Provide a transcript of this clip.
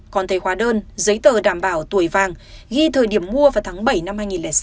còn thấy hóa đơn giấy tờ đảm bảo tuổi vàng ghi thời điểm mua vào tháng bảy năm hai nghìn sáu